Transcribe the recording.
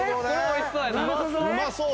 うまそう！